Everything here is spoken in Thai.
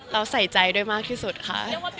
ใส่ใจด้วยมากที่สุดค่ะ